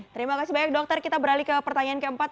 terima kasih banyak dokter kita beralih ke pertanyaan keempat